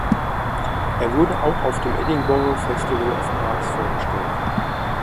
Er wurde auch auf dem Edinburgh Festival of Arts vorgestellt.